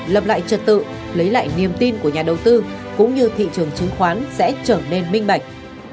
lập lại trật tự lấy lại niềm tin của nhà đầu tư cũng như thị trường chứng khoán sẽ trở nên minh bạch